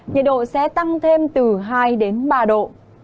nhiệt độ sẽ tăng thêm từ hai đến ba độ